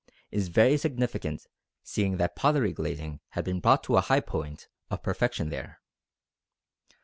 is very significant seeing that pottery glazing had been brought to a high point of perfection there.